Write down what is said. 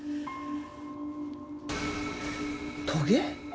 トゲ？